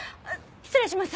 失礼します。